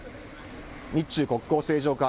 日中国交正常化